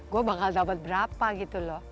gue bakal dapat berapa gitu loh